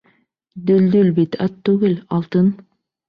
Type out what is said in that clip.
Дөлдөл бит ат түгел, алтын!